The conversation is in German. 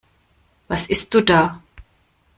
Was isst du da?